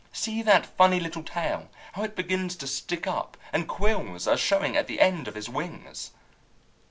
See that funny little tail, how it begins to stick up, and quills are showing at the end of his wings.